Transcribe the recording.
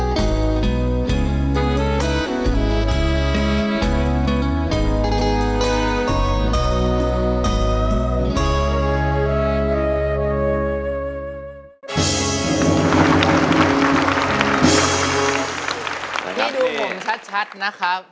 ที่ดูผมชัดนะครับ